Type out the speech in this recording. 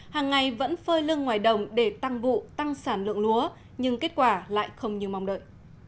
hàng ngày vẫn phơi lưng ngoài đồng để tăng vụ tăng sản lượng lúa nhưng kết quả lại không như mong đợi